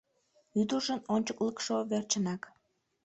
Ӱдыржын ончыклыкшо верчынак.